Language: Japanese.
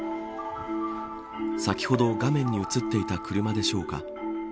先ほど、画面に映っていた車でしょうか。